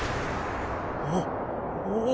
おっおお。